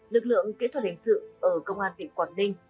lực lượng kỹ thuật hình sự ở công an tỉnh quảng ninh